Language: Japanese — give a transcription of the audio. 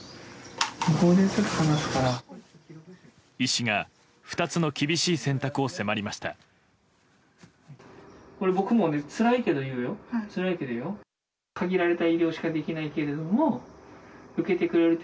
医師が２つの厳しい選択を迫りました。